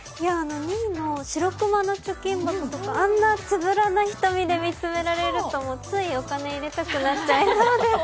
２位の白くまの貯金箱とかあんなつぶらな瞳で見つめられるとついお金入れたくなっちやいます。